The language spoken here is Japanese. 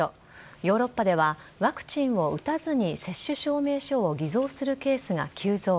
ヨーロッパでは、ワクチンを打たずに接種証明書を偽造するケースが急増。